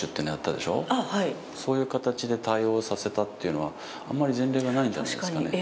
そういう形で対応させたというのはあんまり前例がないんじゃないんですかね。